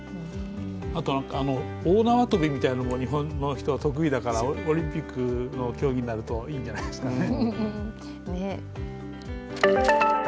あと、大縄跳びみたいなものも日本は得意だからオリンピックの競技になるといいんじゃないですかね。